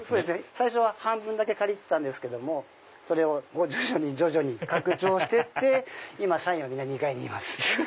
最初は半分だけ借りてたんですけども徐々に拡張してって今社員はみんな２階にいます。